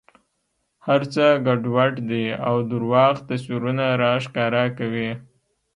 هر څه ګډوډ دي او درواغ تصویرونه را ښکاره کوي.